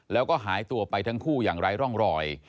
แล้วก็หายตัวไปทั้งคู่อย่างไร้ร่องรอย